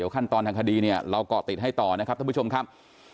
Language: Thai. ขั้นตอนทางคดีเนี่ยเราเกาะติดให้ต่อนะครับท่านผู้ชมครับ